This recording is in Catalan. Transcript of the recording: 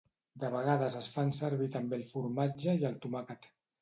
De vegades es fan servir també el formatge i el tomàquet.